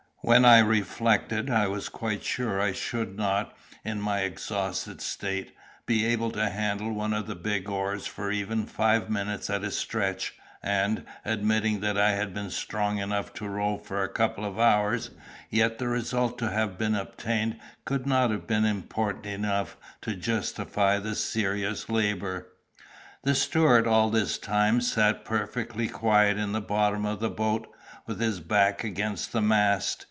When I reflected, I was quite sure I should not, in my exhausted state, be able to handle one of the big oars for even five minutes at a stretch; and, admitting that I had been strong enough to row for a couple of hours, yet the result to have been obtained could not have been important enough to justify the serious labor. The steward all this time sat perfectly quiet in the bottom of the boat, with his back against the mast.